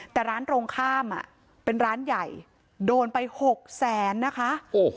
แต่ร้านตรงข้ามอ่ะเป็นร้านใหญ่โดนไปหกแสนนะคะโอ้โห